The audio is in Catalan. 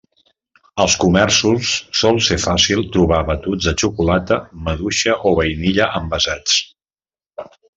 Als comerços sol ser fàcil trobar batuts de xocolata, maduixa o vainilla envasats.